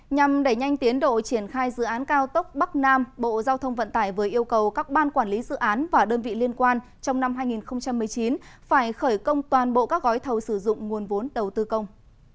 nhằm đẩy nhanh tiến độ triển khai dự án cao tốc bắc nam bộ giao thông vận tải vừa yêu cầu các ban quản lý dự án và đơn vị liên quan trong năm hai nghìn một mươi chín phải khởi công toàn bộ các gói thầu sử dụng nguồn vốn đầu tư công